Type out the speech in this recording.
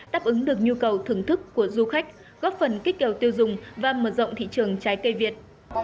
đáp ứng được nhu cầu thưởng thức của du khách góp phần kích kèo tiêu dùng và mở rộng thị trường trái cây việt